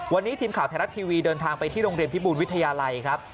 วันนี้ทีมข่าวไทยรัฐทีวีเดินทางไปที่โรงเรียนพิบูรวิทยาลัยครับ